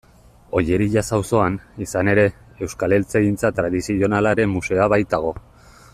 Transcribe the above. Ollerias auzoan, izan ere, Euskal Eltzegintza Tradizionalaren Museoa baitago.